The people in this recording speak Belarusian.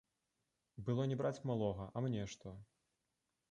Было не браць малога, а мне што?